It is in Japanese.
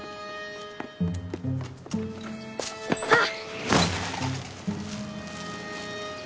あっ！